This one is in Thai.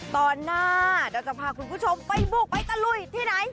ตอนหน้าเราจะพาคุณผู้ชมไปบุกไปตะลุยที่ไหน